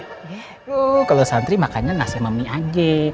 eh kalau santri makannya nasi sama mie aja